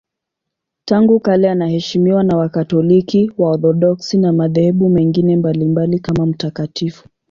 Tangu kale anaheshimiwa na Wakatoliki, Waorthodoksi na madhehebu mengine mbalimbali kama mtakatifu.